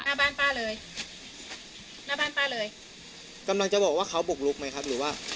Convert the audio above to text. หน้าบ้านป้าเลยหน้าบ้านป้าเลยกำลังจะบอกว่าเขาบุกลุกไหมครับหรือว่า